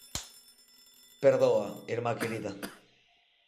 _Perdoa, irmá querida...